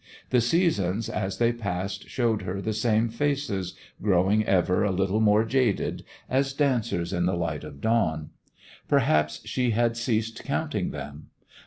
The seasons as they passed showed her the same faces, growing ever a little more jaded, as dancers in the light of dawn. Perhaps she had ceased counting them?